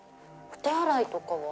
お手洗いとかは？